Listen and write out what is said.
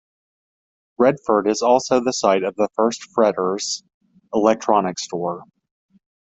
Redford is also the site of the first Fretter's electronics store.